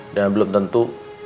dan belum tentu